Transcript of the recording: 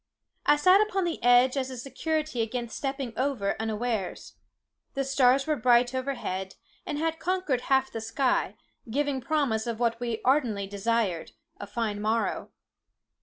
I sat upon the edge as a security against stepping over unawares. The stars were bright overhead, and had conquered half the sky, giving promise of what we ardently desired, a fine morrow.